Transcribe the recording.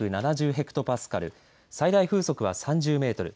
ヘクトパスカル最大風速は３０メートル